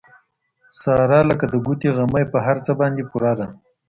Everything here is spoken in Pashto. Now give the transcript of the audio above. ساره لکه د ګوتې غمی په هر څه باندې پوره ده.